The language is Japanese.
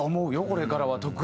これからは特に。